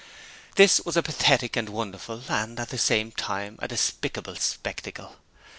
It was a pathetic and wonderful and at the same time a despicable spectacle.